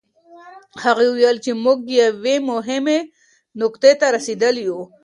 هغې وویل چې موږ یوې مهمې نقطې ته رسېدلي یوو.